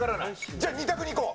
じゃあ２択にいこう。